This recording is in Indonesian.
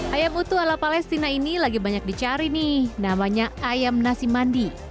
ayam utuh ala palestina ini lagi banyak dicari nih namanya ayam nasi mandi